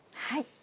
はい。